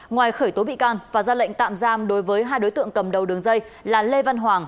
ngoài khởi tố bị can và ra lệnh tạm giam đối với hai đối tượng cầm đầu đường dây là lê văn hoàng